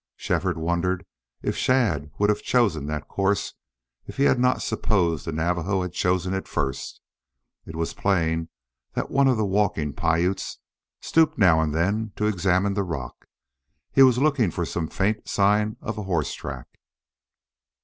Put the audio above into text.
Shefford wondered if Shadd would have chosen that course if he had not supposed the Navajo had chosen it first. It was plain that one of the walking Piutes stooped now and then to examine the rock. He was looking for some faint sign of a horse track.